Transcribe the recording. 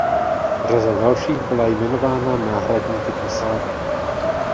Řada dalších byla jmenována náhradníky posádek.